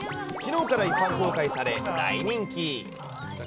きのうから一般公開され、大人気。